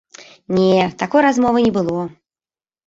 Не, такой размовы не было.